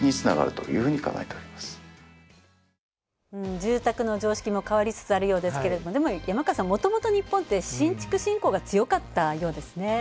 住宅の常識も変わりつつあるようですけどでも、山川さん、もともと日本って新築信仰が強かったようですね。